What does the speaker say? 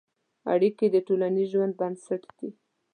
اړیکې د ټولنیز ژوند بنسټ دي.